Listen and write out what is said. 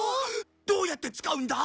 どうやって使うんだ？